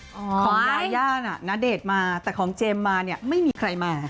ของยาย่าน่ะณเดชน์มาแต่ของเจมส์มาเนี่ยไม่มีใครมา